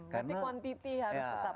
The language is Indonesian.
berarti kuantitas tetap ada ya pak